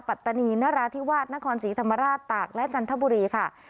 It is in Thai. ปัตตานีนราธิวาสนครศรีธรรมราชตากและจันทบุรีค่ะ